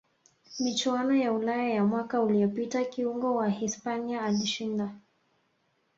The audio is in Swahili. michuano ya ulaya ya mwaka uliyopita kiungo wa hispania alishinda